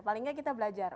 paling gak kita belajar